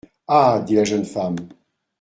Ah ! dit la jeune femme.